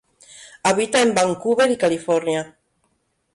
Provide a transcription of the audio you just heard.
Habita en Vancouver y California.